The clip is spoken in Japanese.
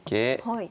はい。